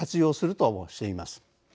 ともしています。